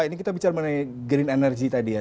ini kita bicara mengenai green energy tadi ya